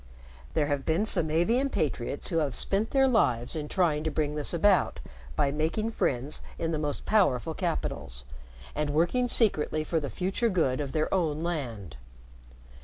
There have been Samavian patriots who have spent their lives in trying to bring this about by making friends in the most powerful capitals, and working secretly for the future good of their own land.